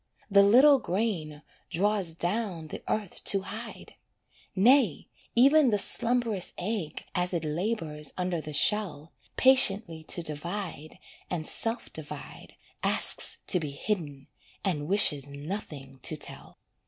The little grain draws down the earth to hide. Nay, even the slumberous egg, as it labours under the shell, Patiently to divide, and self divide, Asks to be hidden, and wishes nothing to tell.